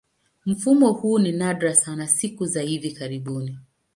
Mfumo huu ni nadra sana siku za hivi karibuni.